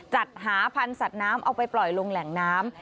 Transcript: จัดหาพันธุ์สัตว์น้ำเอาไปปล่อยลงแหล่งน้ำ